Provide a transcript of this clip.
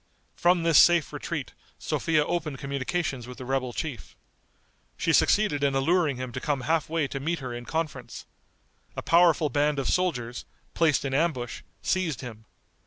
From this safe retreat Sophia opened communications with the rebel chief. She succeeded in alluring him to come half way to meet her in conference. A powerful band of soldiers, placed in ambush, seized him.